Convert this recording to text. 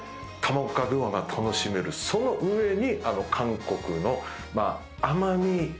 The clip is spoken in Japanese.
その上に。